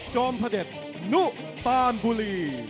จอมพระเด็จนุปานบุรี